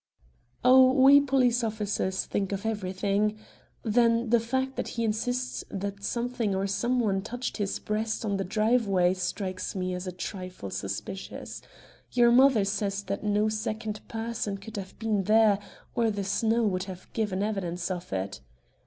"Oh, we police officers think of everything. Then the fact that he insists that something or some one touched his breast on the driveway strikes me as a trifle suspicious. Your mother says that no second person could have been there, or the snow would have given evidence of it."